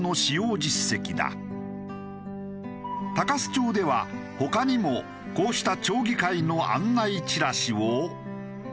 鷹栖町では他にもこうした町議会の案内チラシを。